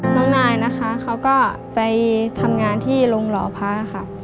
น้องนายนะคะเขาก็ไปทำงานที่โรงหล่อพระค่ะ